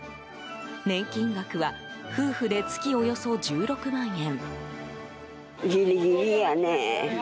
年金額は夫婦で月およそ１６万円。